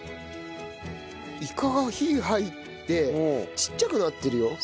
イカが火入ってちっちゃくなってるよ